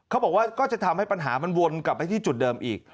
เขาบอกว่าก็จะทำให้ปัญหามันวนกลับไปที่จุดเดิมอีก